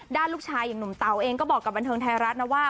ลูกชายอย่างหนุ่มเต๋าเองก็บอกกับบันเทิงไทยรัฐนะว่า